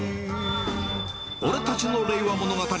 俺たちの令和物語。